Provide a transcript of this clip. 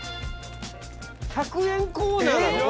１００円コーナーなの？